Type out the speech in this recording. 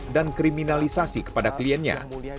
dan kriminalisasi kepada kliennya